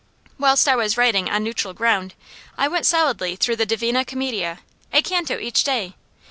Whilst I was writing "On Neutral Ground" I went solidly through the "Divina Commedia," a canto each day.